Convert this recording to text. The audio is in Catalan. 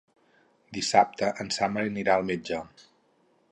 Dissabte en Sam anirà al metge.